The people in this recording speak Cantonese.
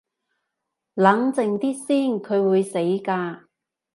冷靜啲先，佢會死㗎